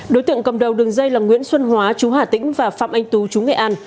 đối tượng cầm đầu đường dây là nguyễn xuân hóa chú hà tĩnh và phạm anh tú chú nghệ an